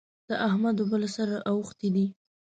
د احمد اوبه له سره اوښتې دي.